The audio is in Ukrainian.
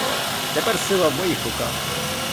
Тепер сила в моїх руках!